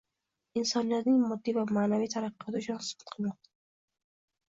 Insoniyatning moddiy va maʼnaviy taraqqiyoti uchun xizmat qilmoqda